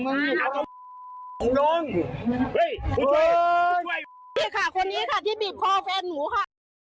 หนูรักไม่ได้